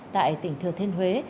tại tỉnh thừa thiên huế